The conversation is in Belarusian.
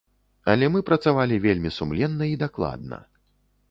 Але мы працавалі вельмі сумленна й дакладна.